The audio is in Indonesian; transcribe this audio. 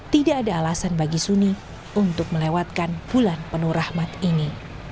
tidak ada alasan bagi suni untuk melewatkan bulan penuh rahmat ini